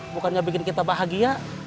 bukannya bikin kita bahagia